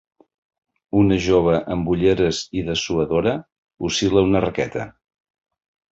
Una jove amb ulleres i dessuadora oscil·la una raqueta.